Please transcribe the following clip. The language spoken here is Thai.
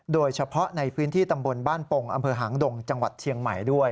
โดยเฉพาะในพื้นที่ตำบลบ้านปงอำเภอหางดงจังหวัดเชียงใหม่ด้วย